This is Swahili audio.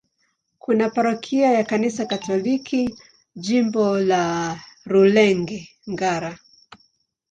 Kuna parokia ya Kanisa Katoliki, Jimbo la Rulenge-Ngara.